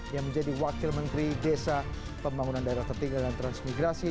yang menjadi wakil menteri desa pembangunan daerah ketinggalan transmigrasi